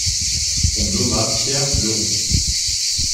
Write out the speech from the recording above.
On nomma Pierre Leroux.